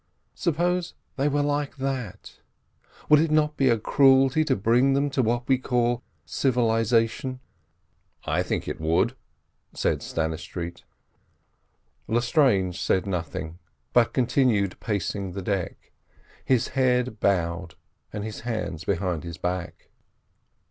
Suppose they were like that, would it not be a cruelty to bring them to what we call civilisation?" "I think it would," said Stannistreet. Lestrange said nothing, but continued pacing the deck, his head bowed and his hands behind his back.